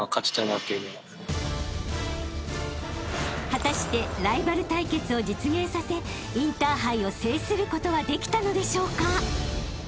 ［果たしてライバル対決を実現させインターハイを制することはできたのでしょうか？］